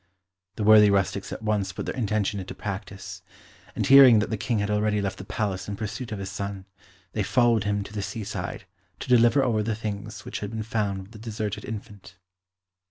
The worthy rustics at once put their intention into practice, and hearing that the King had already left the palace in pursuit of his son, they followed him to the seaside, to deliver over the things which had been found with the deserted infant.